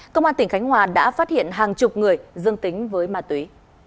công an tỉnh khánh hòa đã phát hiện hàng chục người dương tính với ma túy